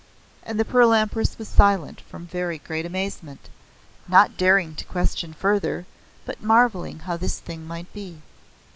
And the Pearl Empress was silent from very great amazement, not daring to question further but marveling how the thing might be.